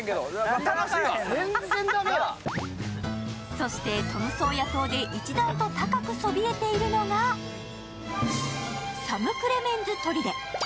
そして、トムソーヤ島で一段と高くそびえているのがサムクレメンズ砦。